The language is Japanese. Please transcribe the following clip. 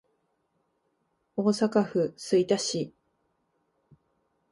大阪府吹田市